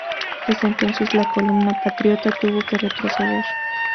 Desde entonces la columna patriota tuvo que retroceder.